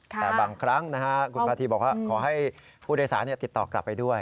แต่บางครั้งคุณพาธีบอกว่าขอให้ผู้โดยสารติดต่อกลับไปด้วย